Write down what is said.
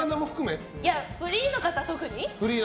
フリーの方、特に。